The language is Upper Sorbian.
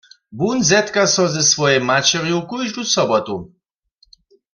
Wón zetka so ze swojej maćerju kóždu sobotu.